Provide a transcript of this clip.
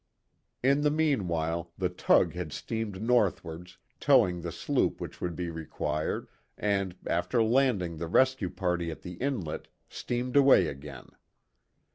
In the meanwhile the tug had steamed northwards, towing the sloop which would be required, and, after landing the rescue party at the inlet, steamed away again.